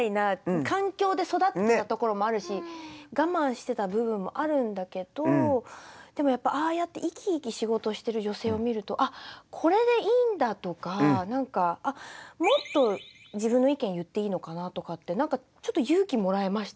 我慢してた部分もあるんだけどでもやっぱああやって生き生き仕事してる女性を見ると「あっこれでいいんだ！」とか何かもっと自分の意見言っていいのかなとかってちょっと勇気もらえましたね。